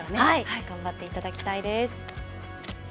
頑張っていただきたいです。